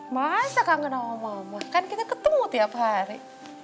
masa kangen sama mama kan kita ketemu tiap hari